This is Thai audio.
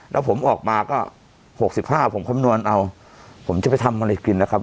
แล้วผมออกมาก็๖๕ผมคำนวณเอาผมจะไปทำอะไรกินนะครับ